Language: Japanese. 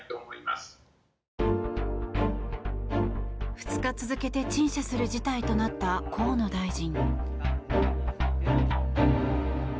２日続けて陳謝する事態となった河野大臣。